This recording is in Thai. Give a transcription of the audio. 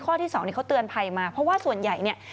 ข้อที่สองเนี้ยเค้าเตือนภัยมาเพราะว่าส่วนใหญ่เนี้ย